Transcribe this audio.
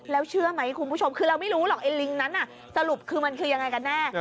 แล้วเชื่อไหมคุณผู้ชมคือเราไม่รู้หรอกไอ้ลิงนั้นสรุปคือมันคือยังไงกันแน่